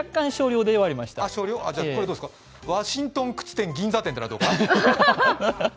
ワシントン靴店銀座店っていうのはどうかな？